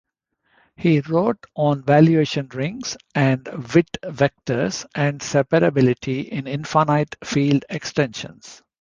He wrote on valuation rings and Witt vectors, and separability in infinite field extensions.